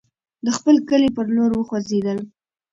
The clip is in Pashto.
د خپل کلي پر لور وخوځېدل.